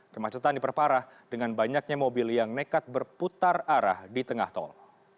kemacetan diperparah dengan banyaknya mobil yang nekat berputar arah di tengah tol